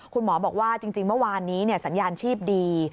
คุณหมอบอกว่าจริงเมื่อวานนี้สัญญาณชีพดี